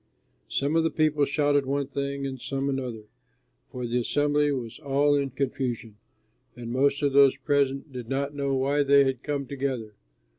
Some of the people shouted one thing and some another, for the assembly was all in confusion, and most of those present did not know why they had come together.